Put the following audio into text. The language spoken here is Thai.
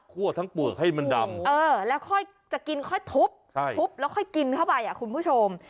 ทั้งเปลือกให้มันดำแล้วค่อยจะกินค่อยทุบทุบแล้วค่อยกินเข้าไปคุณผู้ชม